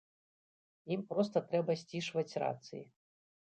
Ім проста трэба сцішваць рацыі.